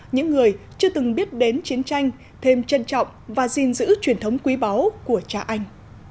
những người chưa từng biết đến chiến tranh thêm trân trọng và gìn giữ truyền thống quý báu của cha anh